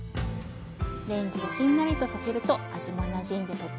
レンジでしんなりとさせると味もなじんでとってもおいしいです。